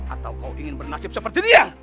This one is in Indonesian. atau kau ingin bernasib seperti dia